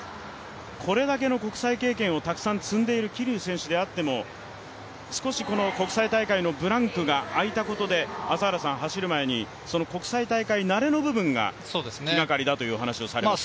これだけの国際経験をたくさん積んでいる桐生選手であっても、少し国際大会のブランクがあいたことで、朝原さん、走る前に国際大会慣れの部分が気がかりだという話をされました。